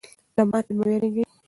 له ماتې مه ویرېږئ.